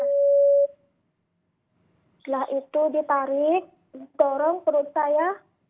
setelah itu ditarik dorong perut saya